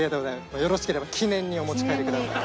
よろしければ記念にお持ち帰りください。